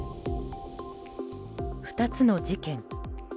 ２つの事件。